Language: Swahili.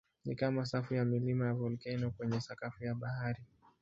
Ni kama safu ya milima ya volkeno kwenye sakafu ya bahari.